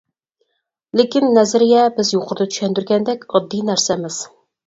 لېكىن، نەزەرىيە بىز يۇقىرىدا چۈشەندۈرگەندەك ئاددىي نەرسە ئەمەس.